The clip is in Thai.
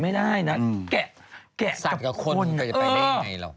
ไม่ได้นะแกะสัตว์กับคนก็จะไปได้ยังไงหรอก